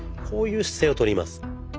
こういう姿勢をとります。